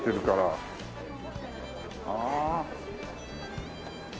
ああ。